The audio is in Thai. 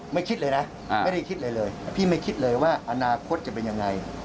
คิดเลยนะไม่ได้คิดอะไรเลยพี่ไม่คิดเลยว่าอนาคตจะเป็นยังไง